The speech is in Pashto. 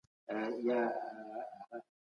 ما خپله پروژه بشپړه کړې ده.